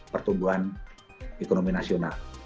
pertumbuhan ekonomi nasional